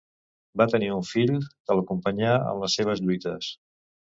Va tenir un fill, que l'acompanyà en les seves lluites.